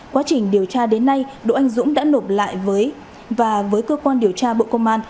quá trình điều tra đến nay đỗ anh dũng đã nộp lại và với cơ quan điều tra bộ công an